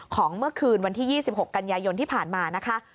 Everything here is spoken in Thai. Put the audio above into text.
ของเมื่อคืนวันที่๒๖กันยายนที่ผ่านมานะคะ